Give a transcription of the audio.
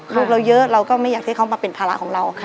ลูกเราเยอะเราก็ไม่อยากให้เขามาเป็นภาระของเราค่ะ